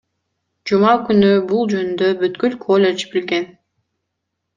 Жума күнү бул жөнүндө бүткүл коллеж билген.